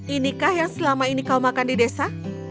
inikah yang selama ini kau makan di desa